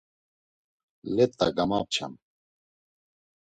Leta gamapçam.